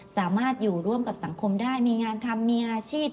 สามารถอยู่ร่วมกับสังคมได้มีงานทำมีอาชีพ